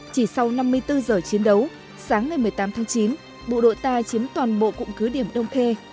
chỉ sau năm mươi bốn giờ chiến đấu sáng ngày một mươi tám tháng chín bộ đội ta chiếm toàn bộ cụm cứ điểm đông khê